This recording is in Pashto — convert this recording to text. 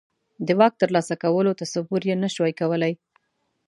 د واک ترلاسه کولو تصور یې نه شوای کولای.